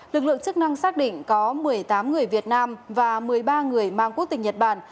lực lượng chức năng xác định có một mươi tám người việt nam và một mươi ba người mang quốc tịch nhật bản